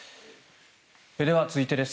では続いてです。